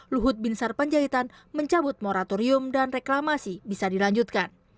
luhut binsar panjaitan mencabut moratorium dan reklamasi bisa dilanjutkan